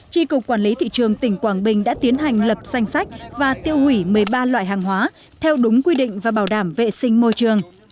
tri cục quản lý thị trường tỉnh quảng bình đã tiến hành lập danh sách và tiêu hủy một mươi ba loại hàng hóa theo đúng quy định và bảo đảm vệ sinh môi trường